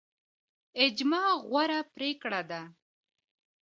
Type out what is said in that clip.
اجماع غوره پریکړه ده